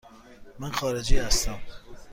من خارجی هستم.